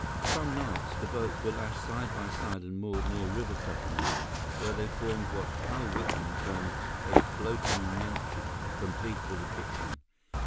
Some nights, the boats were lashed side by side and moored near river settlements where they formed what Hal Whitman termed a "floating mansion," complete to the kitchen.